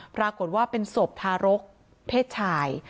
ปรากฏว่าเป็นศพทารกเพศชาย